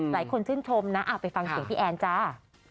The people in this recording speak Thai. หลายคนชื่นชมนะไปฟังเสียงพี่แอนจ้า